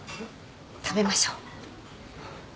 食べましょう。